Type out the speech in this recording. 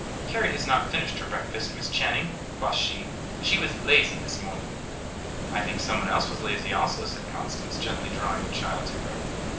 "Carry has not finished her breakfast, Miss Channing," quoth she. "She was lazy this morning!" "I think some one else was lazy also," said Constance, gently drawing the child to her.